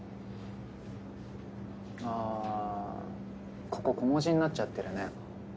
ああここ小文字になっちゃってるね。